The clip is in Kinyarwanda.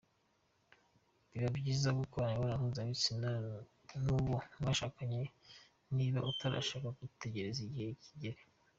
Biba byiza gukorana imibonanompuzabitsena n’uwo mwashakanye, niba utarashaka tegereza igihe kigere.